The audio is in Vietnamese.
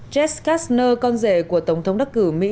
jess kastner con rể của tổng thống đắc cử mỹ